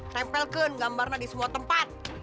tempelkan gambarnya di semua tempat